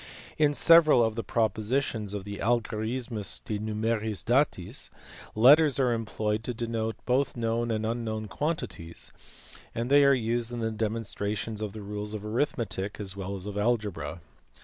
In several of the propositions of the Algorithmus and De A a. merits Datis letters are employed to denote both known and unknown quantities, and they are used in the demonstra tions of the rules of arithmetic as well as of algebra.